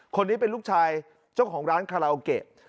คนนี้เป็นลูกชายเจ้าของร้านคาราโอเกะ